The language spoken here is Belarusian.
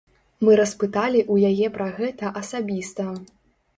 Мы распыталі ў яе пра гэта асабіста.